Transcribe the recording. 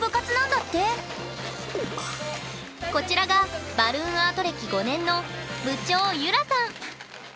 こちらがバルーンアート歴５年の部長ゆらさん。